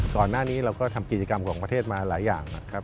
ก่อนหน้านี้เราก็ทำกิจกรรมของประเทศมาหลายอย่างนะครับ